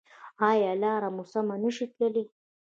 ایا لاره مو سمه نه شئ تللی؟